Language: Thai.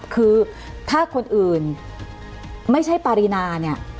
คือถ้าคนอื่นไม่ใช่ปริณา